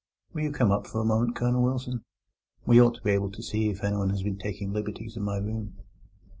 Will you come up for a moment, Colonel Wilson? We ought to be able to see if anyone has been taking liberties in my room."